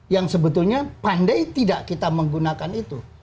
yang sebetulnya pandai tidak kita menggunakan itu